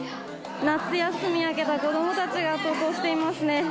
夏休みが明けた子どもたちが登校していますね。